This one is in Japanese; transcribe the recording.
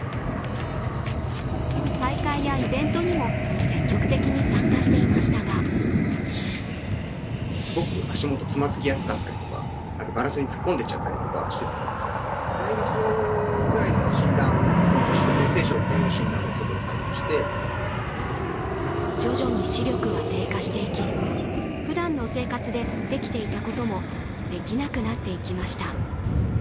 大会やイベントにも積極的に参加していましたが徐々に視力は低下していきふだんの生活でできていたこともできなくなっていきました。